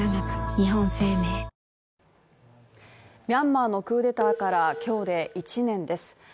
ミャンマーのクーデターから今日で１年です。